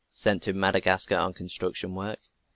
Sent to Madagascar on construction work.